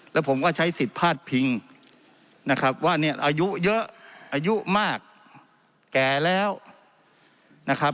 แล้วผมก็ใช้สิทธิ์พาดพิงนะครับว่าเนี่ยอายุเยอะอายุมากแก่แล้วนะครับ